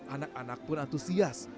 anak anak pun antusias